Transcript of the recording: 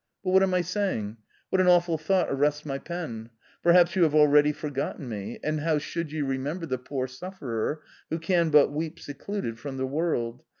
But what am I saying ? what an awful thought arrests my pen ! perhaps you have already forgotten me, and how should you remember the poor sufferer, who can but weep secluded from the world